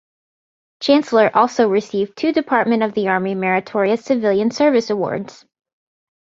Chancellor also received two Department of the Army Meritorious Civilian Service Awards.